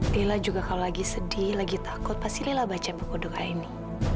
lila juga kalau lagi sedih lagi takut pasti lila baca buku doa ini